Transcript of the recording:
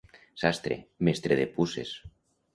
Sastre, mestre de puces.